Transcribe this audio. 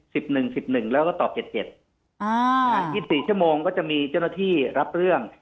สิบหนึ่งสิบหนึ่งแล้วก็ตอบเจ็ดเจ็ดอ่ายี่สิบสี่ชั่วโมงก็จะมีเจ้าหน้าที่รับเรื่อง